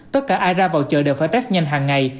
tất cả ai ra vào chợ đều phải test nhanh hàng ngày